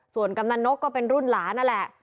ส่วนกำนันนกก็เป็นรุ่นหลานนั่นแหละ